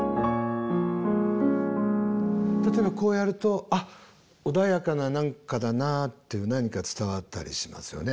例えばこうやるとあっ穏やかな何かだなっていう何か伝わったりしますよね。